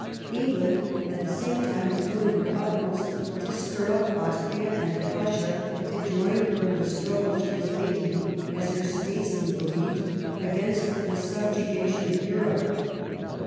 England, at the same time, was doing her utmost to stir up Austria and Prussia to join her in the struggle she was making, as her statesmen believed, against the subjugation of Europe.